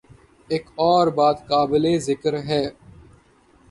ایک اور بات قابل ذکر ہے۔